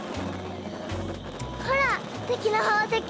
ほらすてきなほうせき！